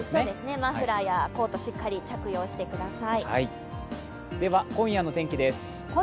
マフラーやコートしっかり着用してください。